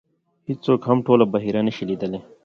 هېڅوک هم ټوله بحیره نه شي لیدلی .